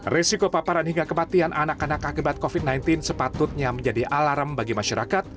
resiko paparan hingga kematian anak anak akibat covid sembilan belas sepatutnya menjadi alarm bagi masyarakat